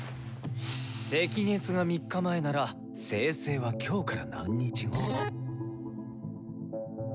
「赤月が三日前なら青星は今日から何日後？」。